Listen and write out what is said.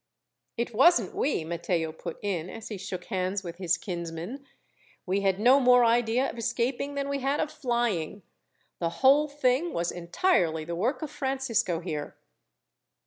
"It wasn't we," Matteo put in, as he shook hands with his kinsman. "We had no more idea of escaping than we had of flying. The whole thing was entirely the work of Francisco here."